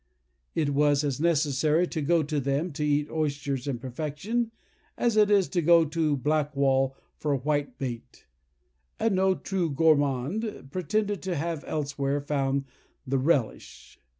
It was as necessary to go to them to eat oysters in perfection, as it is to go to Blackwall for white bait; and no true gourmand pretended to have elsewhere found the relish.